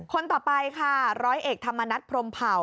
คนต่อไปค่ะร้อยเอกธรรมนัฐพรมเผ่า